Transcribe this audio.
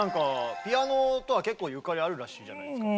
ピアノとは結構ゆかりあるらしいじゃないですか。